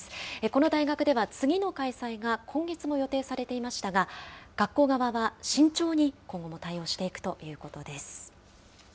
この大学では、次の開催が今月も予定されていましたが、学校側は慎重に今後も対応していくということです。